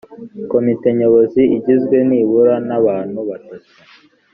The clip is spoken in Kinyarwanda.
komite nyobozi igizwe nibura n’abantu batatu